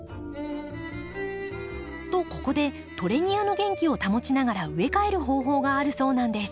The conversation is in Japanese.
とここでトレニアの元気を保ちながら植え替える方法があるそうなんです。